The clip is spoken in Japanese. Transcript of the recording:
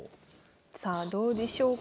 さあどうでしょうか。